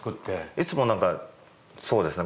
いつもなんかそうですね